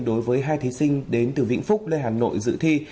đối với hai thí sinh đến từ vĩnh phúc lê hà nội dự thi